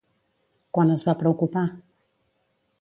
Quan es va preocupar?